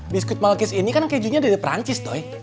biskuit malkis ini kan kejunya dari perancis toy